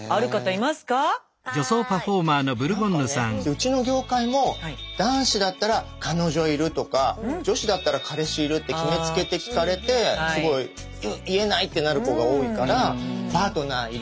うちの業界も男子だったら彼女いるとか女子だったら彼氏いるって決めつけて聞かれてすごい「うっ言えない」ってなる子が多いから確かに。